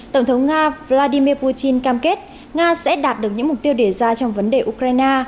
tổng thống nga vladimir putin cam kết nga sẽ đạt được những mục tiêu đề ra trong vấn đề ukraine